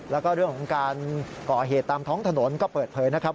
แล้วก็เรื่องของการก่อเหตุตามท้องถนนก็เปิดเผยนะครับ